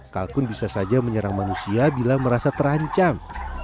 kalkun bisa saja menyerang manusia bila merasa terancam